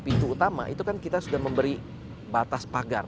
pintu utama itu kan kita sudah memberi batas pagar